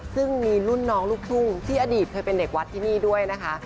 ซึ่งมีรุ่นน้องลูกทุ่งที่อดีตเคยเป็นเด็กวัดที่นี่ด้วยนะคะ